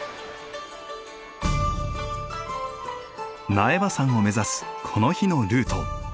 苗場山を目指すこの日のルート。